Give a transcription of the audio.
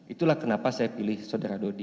itulah kenapa saya pilih saudara dodi